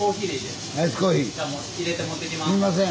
すいません。